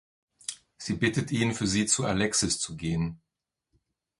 Sie bittet ihn für sie zu Alexis zu gehen.